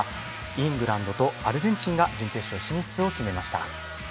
イングランドとアルゼンチンが準決勝進出を決めました。